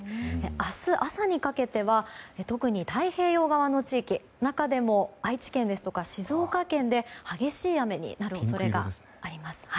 明日朝にかけては特に太平洋側の地域中でも愛知県や静岡県で激しい雨になる恐れがあります。